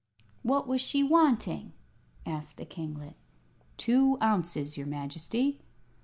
"What was she wanting?" asked the kinglet. "Two ounces, your Majesty."